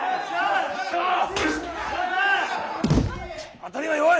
当たりが弱い！